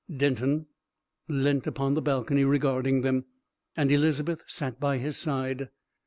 Denton leant upon the balcony regarding them, and Elizabeth sat by his side.